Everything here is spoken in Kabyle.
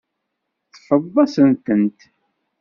Teffreḍ-asent-tent.